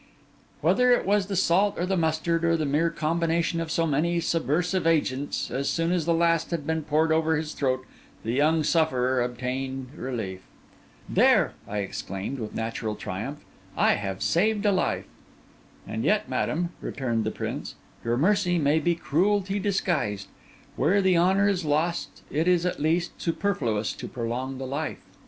Whether it was the salt or the mustard, or the mere combination of so many subversive agents, as soon as the last had been poured over his throat, the young sufferer obtained relief. 'There!' I exclaimed, with natural triumph, 'I have saved a life!' 'And yet, madam,' returned the prince, 'your mercy may be cruelty disguised. Where the honour is lost, it is, at least, superfluous to prolong the life.